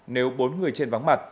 nếu bốn người trên vắng mặt